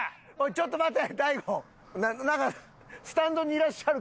ちょっと待って。